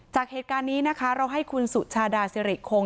จากเหตุการณ์นี้นะคะเราให้คุณสุชาดาสิริคง